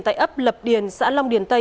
tại ấp lập điền xã long điền tây